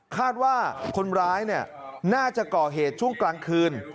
คาดว่าคนร้ายน่าจะก่อเหตุช่วงกลางคืน